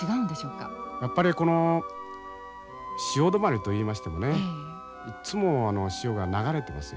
やっぱりこの潮止まりといいましてもねいっつも潮が流れてますよね。